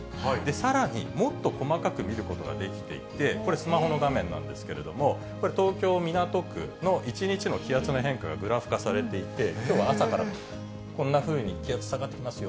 さらにもっと細かく見ることができていて、これスマホの画面なんけれども、これ、東京・港区の一日の気圧の変化がグラフ化されていて、きょうは朝からこんなふうに気圧下がってますよ。